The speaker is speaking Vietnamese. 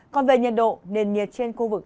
còn về nhiệt độ nền nhiệt trên khu vực